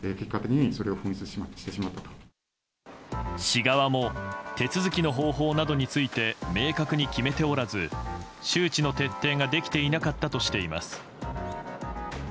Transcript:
市側も手続きの方法などについて明確に決めておらず周知の徹底ができていなかったとしています。